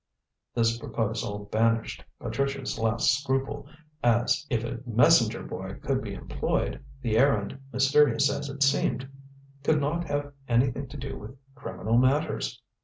This proposal banished Patricia's last scruple, as, if a messenger boy could be employed, the errand, mysterious as it seemed, could not have anything to do with criminal matters.